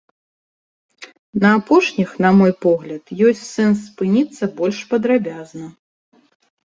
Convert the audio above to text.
На апошніх, на мой погляд, ёсць сэнс спыніцца больш падрабязна.